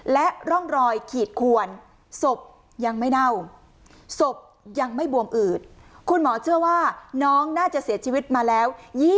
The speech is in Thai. และร่องรอยขีดขวนศพยังไม่เน่าศพยังไม่บวมอืดคุณหมอเชื่อว่าน้องน่าจะเสียชีวิตมาแล้ว